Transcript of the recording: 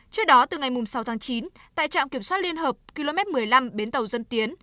trước đó từ ngày sáu tháng chín tại trạm kiểm soát liên hợp km một mươi năm bến tàu dân tiến